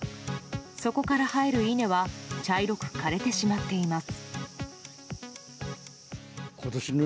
そこから生える稲は茶色く枯れてしまっています。